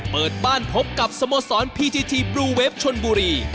เปิดบ้านพบกับสโมสรพีทีทีบลูเวฟชนบุรี